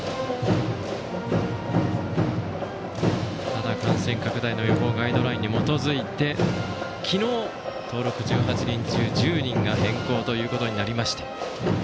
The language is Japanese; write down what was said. ただ、感染拡大の予防ガイドラインに基づいて昨日、登録１８人中１０人が変更になりました。